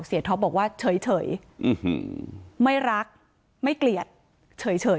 ท็อปบอกว่าเฉยไม่รักไม่เกลียดเฉย